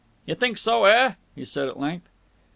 "You think so, eh?" he said at length.